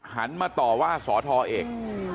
หันมาต่อว่าสอทเอก